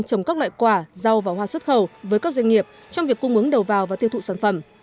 trồng các loại quả rau và hoa xuất khẩu với các doanh nghiệp trong việc cung ứng đầu vào và tiêu thụ sản phẩm